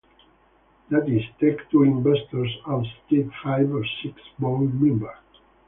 That is, Take-Two investors ousted five of six board members.